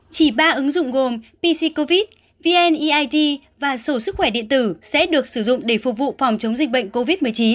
chỉ ba ứng dụng gồm pc covid vneid và số sức khỏe điện tử sẽ được sử dụng để phục vụ phòng chống dịch bệnh covid một mươi chín